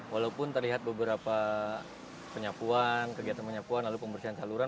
walaupun terlihat beberapa penyapuan kegiatan penyapuan lalu pembersihan saluran